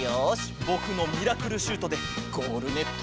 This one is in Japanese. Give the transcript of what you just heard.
ぼくのミラクルシュートでゴールネットをゆらすぞ！